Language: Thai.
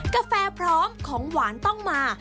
กาแฟพร้อมของหวานต้องมา